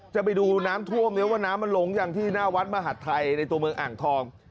จะไปดูน้ำท่วมเนี่ยว่าน้ำมันหลงอย่างที่หน้าวัดมหัฐไทยในตัวเมืองอ่างทอง